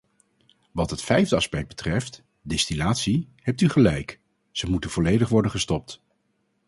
Wat het vijfde aspect betreft, distillatie, hebt u gelijk: ze moet volledig worden gestopt.